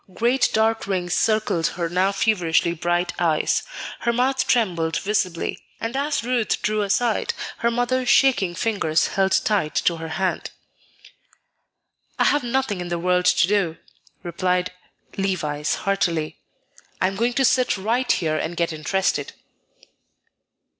Great dark rings encircled her now feverishly bright eyes; her mouth trembled visibly; and as Ruth drew aside, her mother's shaking fingers held tight to her hand. "I have nothing in the world to do," replied Levice, heartily; "I am going to sit right here and get interested."